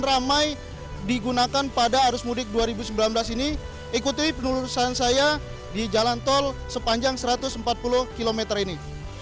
ramai digunakan pada arus mudik dua ribu sembilan belas ini ikuti penulisan saya di jalan tol sepanjang satu ratus empat puluh km ini